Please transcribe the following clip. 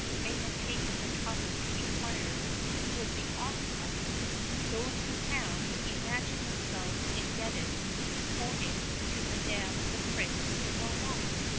may have taken the trouble to inquire who was the author of it, those who have, imagine themselves indebted for it to Madame Leprince de Beaumont.